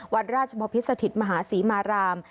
วัดราชบพิษสถิตมหาศรีมาราม